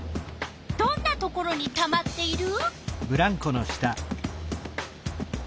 どんなところにたまっている？